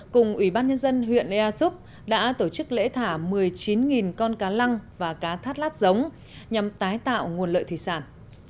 cùng ủy ban nhân dân huyện ea súp đã tổ chức lễ thả một mươi chín con cá lăng và cá thắt lát giống nhằm tái tạo nguồn lợi thủy sản